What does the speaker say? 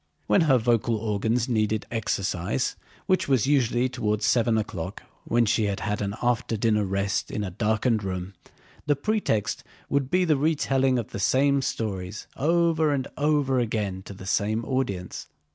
When her vocal organs needed exercise, which was usually toward seven o'clock when she had had an after dinner rest in a darkened room, the pretext would be the retelling of the same stories over and over again to the same audience.